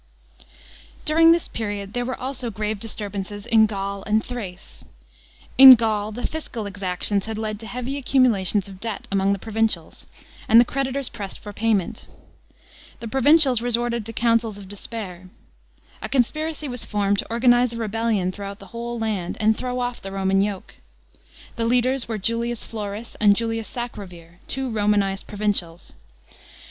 § 18. During this period there were also grave disturbances in Gaul and Thrace. In Gaul the fiscal exactions had led to heavy accumulations of debt among the provincials, and the creditors pressed for payment. The provincials resorted to counsels of despair. A conspiracy was formed to organize a rebellion throughout the whole land, and throw off the Roman yoke. The leaders were Julius Florus and Julius Sacrovir, two Romanised provincials.